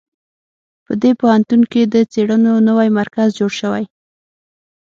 په دې پوهنتون کې د څېړنو نوی مرکز جوړ شوی